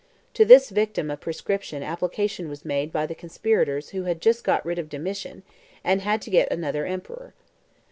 To this victim of proscription application was made by the conspirators who had just got rid of Domitian, and had to get another emperor.